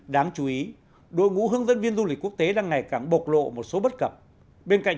đáng chú ý đội ngũ hướng dẫn viên du lịch quốc tế đang ngày càng bộc lộ một số bất cập bên cạnh